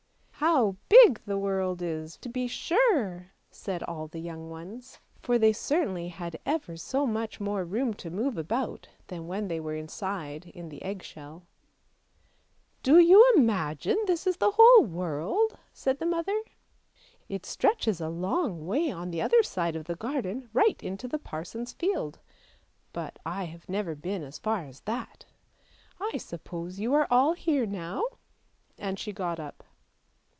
" How big the world is, to be sure! " said all the young ones; 383 384 ANDERSEN'S FAIRY TALES for they certainly had ever so much more room to move about than when they were inside in the egg shell. " Do you imagine this is the whole world? " said the mother. " It stretches a long way on the other side of the garden, right into the parson's field; but I have never been as far as that! I suppose you are all here now? " and she got up.